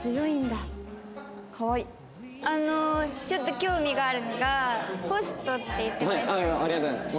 あのちょっと興味があるのがホストって言ってましたよね。